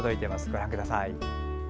ご覧ください。